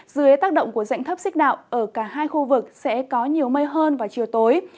dưới tác động của dạnh thấp xích đạo ở cả hai khu vực sẽ có nhiều mây hơn vào chiều tối